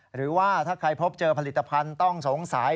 หรือว่าถ้าใครพบเจอผลิตภัณฑ์ต้องสงสัย